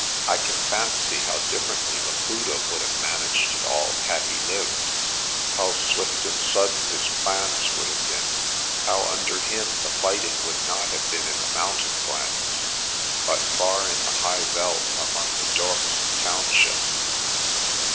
I can fancy how differ ently Laputa would have managed it all had he lived ; how swift and sudden his plans would have been; how under him the fighting would not have been in the mountain glens, but far in the high veld among the dorps and town 255 256 PRESTER JOHN ships.